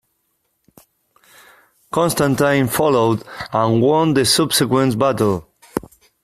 Constantine followed, and won the subsequent battle.